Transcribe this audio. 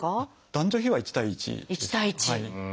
男女比は１対１です。